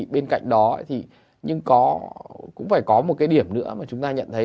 bên cạnh đó thì nhưng cũng phải có một cái điểm nữa mà chúng ta nhận thấy